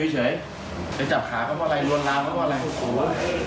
จับขาเขาบอกว่าอะไรลวนราวเขาบอกว่าอะไร